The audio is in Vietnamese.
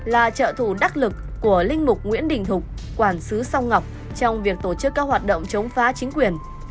là trợ thủ đắc lực của linh mục nguyễn đình thục quản sứ song ngọc trong việc tổ chức các hoạt động chống phá chính quyền